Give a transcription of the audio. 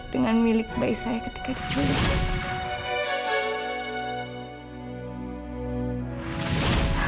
dengan milik bayi saya ketika cuek